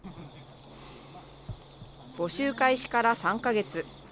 募集開始から３か月。